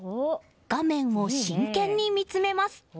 画面を真剣に見つめます。